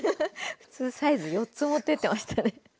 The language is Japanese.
普通サイズ４つ持ってってましたね。